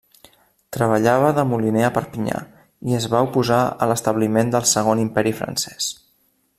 Treballava de moliner a Perpinyà i es va oposar a l'establiment del Segon Imperi Francès.